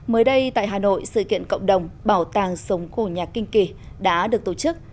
mới đây tại hà nội sự kiện cộng đồng bảo tàng sống cổ nhạc kinh kỳ đã được tổ chức